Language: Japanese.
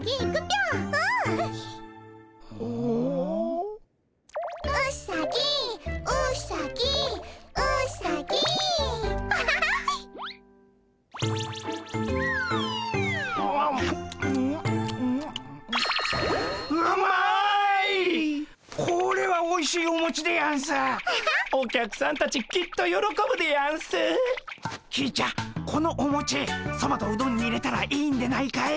きーちゃんこのおもちそばとうどんに入れたらいいんでないかい？